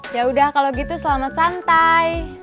yaudah kalau gitu selamat santai